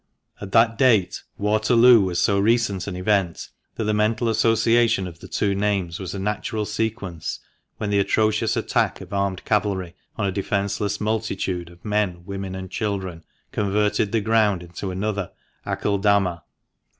At that date Waterloo was so recent an event that the mental association of the two names was a natural sequence when the atrocious attack of armed cavalry on a defenceless multitude of men, women, and children converted the ground into another Aceldama.